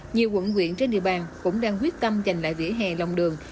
nhiều quận quyện trên địa bàn cũng đang quyết tâm giành lại vỉa hè lòng đường